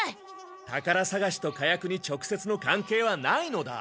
宝さがしと火薬に直接の関係はないのだ。